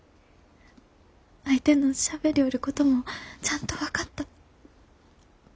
相手のしゃべりょおることもちゃんと分かった。